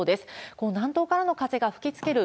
こう、南東からの風が吹きつける